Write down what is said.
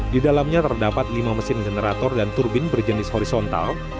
di dalamnya terdapat lima mesin generator dan turbin berjenis horizontal